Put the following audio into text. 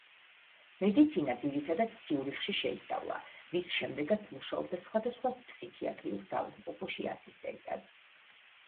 მედიცინა ძირითადად ციურიხში შეისწავლა, რის შემდეგაც მუშაობდა სხვადასხვა ფსიქიატრიულ საავადმყოფოში ასისტენტად.